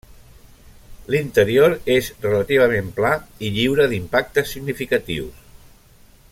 L'interior és relativament pla i lliure d'impactes significatius.